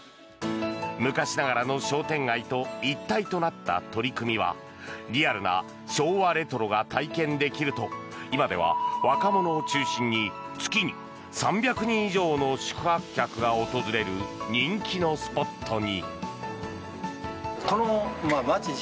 昔ながらの商店街と一体となった取り組みはリアルな昭和レトロが体験できると今では若者を中心に月に３００人以上の宿泊客が訪れる人気のスポットに。